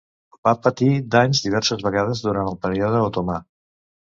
Va patir danys diverses vegades durant el període otomà.